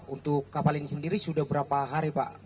untuk kapal ini sendiri sudah berapa hari pak